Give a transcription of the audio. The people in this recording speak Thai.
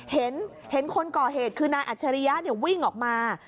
เห็นคนก่อเหตุคือนายอัจฉริยะวิ่งออกมา